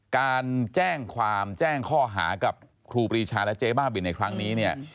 การแจ้งความแจ้งข้อหากับครูปรีชาและเจ๊บ้าบินในครั้งนี้เนี่ย